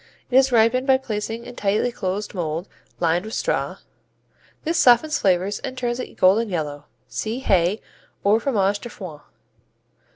It is ripened by placing in tightly closed mold, lined with straw. This softens, flavors, and turns it golden yellow. (See Hay or Fromage de Foin.)